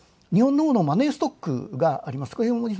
日本のマネーストックがあります。